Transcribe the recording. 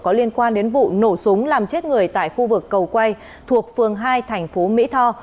có liên quan đến vụ nổ súng làm chết người tại khu vực cầu quay thuộc phường hai thành phố mỹ tho